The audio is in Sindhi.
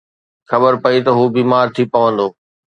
خبر پئي ته هو بيمار ٿي پوندو